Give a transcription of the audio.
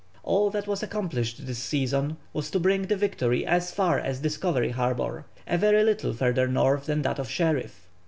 All that was accomplished this season was to bring the Victory as far as Discovery Harbour, a very little further north than that of Sherif.